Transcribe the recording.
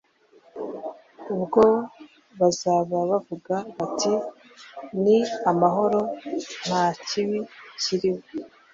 ubwo bazaba bavuga bati, ‘Ni amahoro, nta kibi kiriho?’